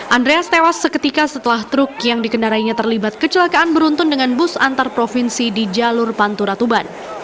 andreas tewas seketika setelah truk yang dikendarainya terlibat kecelakaan beruntun dengan bus antar provinsi di jalur pantura tuban